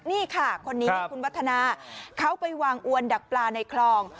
นี่ค่ะคนนี้คุณวัฒนาเขาไปวางอวนดักปลาในคลอง